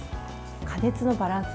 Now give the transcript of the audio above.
加熱のバランス